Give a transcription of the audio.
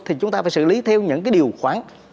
thì chúng ta phải xử lý theo những cái điều khoản